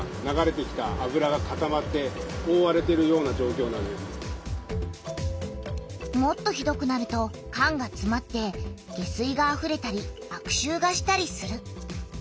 これはもっとひどくなると管がつまって下水があふれたりあくしゅうがしたりする。